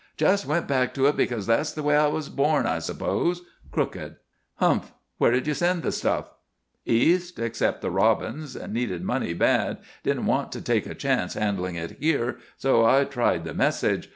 Just went back to it because that's the way I was born, I suppose; crooked." "Humph. Where did you send the stuff?" "East. Except the Robbins. Needed money bad, didn't want to take a chance handling it here, so I tried the message.